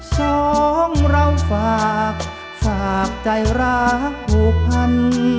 สองเราฝากฝากใจรักผูกพัน